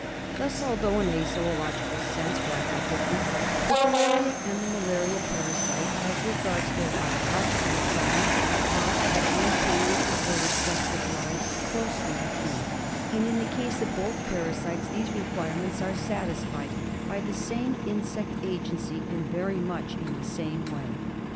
^ Thus, although in a zoological sense widely different, the filaria and the malaria parasite, as regards their bio logical requirements, are at one period of their respective lives closely akin ; and in the case of both parasites these requirements are satisfied by the same insect agency and very much in the same way.